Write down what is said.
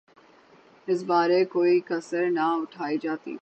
اس بارے کوئی کسر نہ اٹھائی جاتی۔